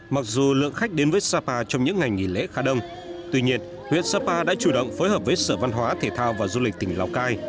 mặc dù lượng khách đến với sapa trong những ngày nghỉ lễ khá đông tuy nhiên huyện sapa đã chủ động phối hợp với sở văn hóa thể thao và du lịch tỉnh lào cai